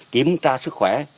kiếm ra sức khỏe